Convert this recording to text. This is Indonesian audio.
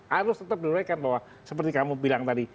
harus tetap diuraikan bahwa seperti kamu bilang tadi